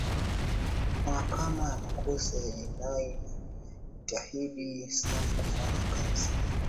mahakama ya makosa ya jinai inajitahidi sana kufanya kazi